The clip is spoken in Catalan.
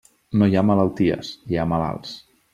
No hi ha malalties; hi ha malalts.